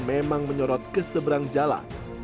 memang menyorot keseberang jalan